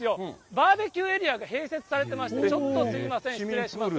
バーベキューエリアが併設されていまして、ちょっとすみません、市民プールで？